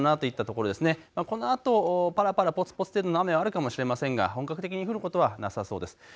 このあとぱらぱらぽつぽつ程度の雨あるかもしれませんが本格的に降ることはなさそうです。